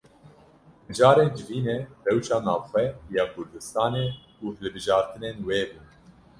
Mijarên civînê rewşa navxwe ya Kurdistanê û hilbijartinên wê bûn.